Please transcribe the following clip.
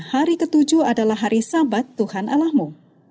hari ketujuh adalah hari sabat tuhan allahmu